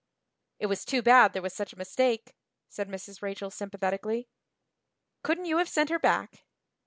"It was too bad there was such a mistake," said Mrs. Rachel sympathetically. "Couldn't you have sent her back?"